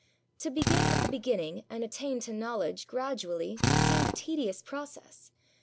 To begin at the beginning and attain to knowledge gradually seemed a tedious process.